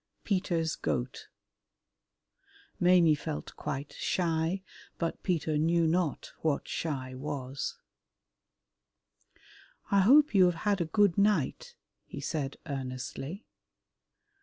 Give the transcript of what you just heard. Peter's Goat Maimie felt quite shy, but Peter knew not what shy was. "I hope you have had a good night," he said earnestly.